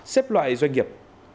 xếp loại doanh nghiệp